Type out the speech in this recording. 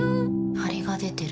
ハリが出てる。